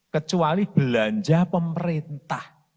kecuali belanja pemerintah